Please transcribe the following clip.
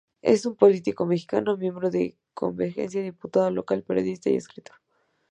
Es un político mexicano, miembro de Convergencia, diputado Local, periodista y escritor.